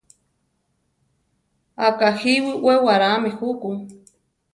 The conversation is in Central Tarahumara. Akajíwi we warámi juku.